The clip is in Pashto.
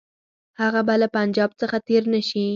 هغه به له پنجاب څخه تېر نه شي.